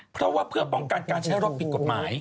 เพราะว่าเพื่อป้องกันการใช้รถผิดกฎหมาย